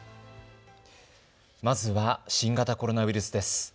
まずは新型コロナウイルスです。